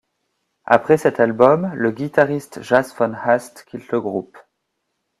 Après cet album, le guitariste Jasse von Hast quitte le groupe.